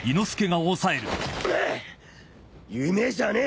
夢じゃねえ！